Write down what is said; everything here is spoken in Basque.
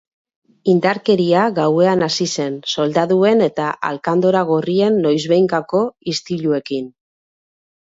Indarkeria gauean hasi zen, soldaduen eta alkandora gorrien noizbehinkako istiluekin.